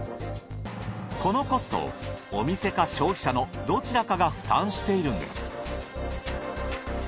このコストをお店か消費者のどちらかが負担しているのです。